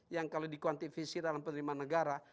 yang kalau dikuantivisi dalam penerimaan negara